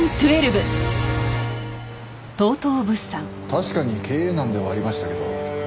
確かに経営難ではありましたけど。